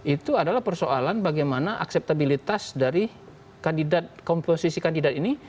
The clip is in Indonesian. itu adalah persoalan bagaimana akseptabilitas dari kandidat komposisi kandidat ini